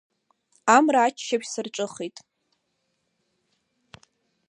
Амра аччаԥшь сарҿыхеит…